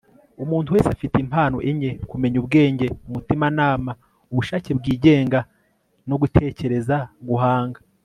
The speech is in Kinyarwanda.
umuntu wese afite impano enye - kumenya ubwenge, umutimanama, ubushake bwigenga no gutekereza guhanga